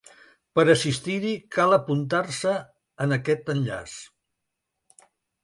Per assistir-hi cal apuntar-se en aquest enllaç.